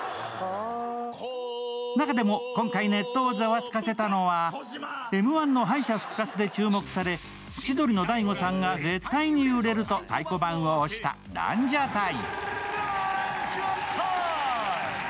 中でも今回ネットをざわつかせたのは、Ｍ−１の敗者復活で注目され、千鳥の大悟さんが絶対に売れると太鼓判を押したランジャタイ。